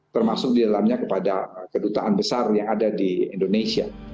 termasuk di dalamnya kepada kedutaan besar yang ada di indonesia